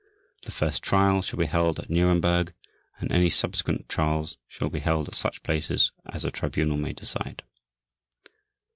The first trial shall be held at Nuremberg, and any subsequent trials shall be held at such places as the Tribunal may decide.